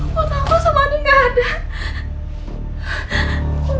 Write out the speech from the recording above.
foto aku sama adi gak ada